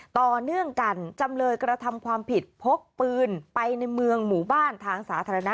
ต่อเนื่องกันจำเลยกระทำความผิดพกปืนไปในเมืองหมู่บ้านทางสาธารณะ